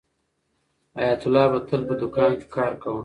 حیات الله به تل په دوکان کې کار کاوه.